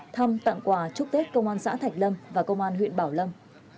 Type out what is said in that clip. thăm tặng quà chúc tết công an xã thạch lâm và công an huyện bảo lâm